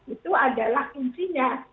itu adalah kuncinya